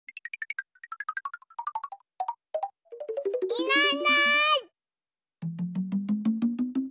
いないいない。